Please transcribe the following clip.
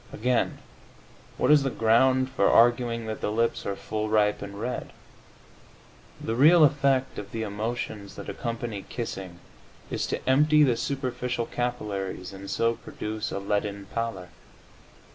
Again, what is the ground for arguing that the lips are "full, ripe and red?" The real effect of the emotions that accompany kissing is to empty the superficial capillaries and so produce a leaden pallor.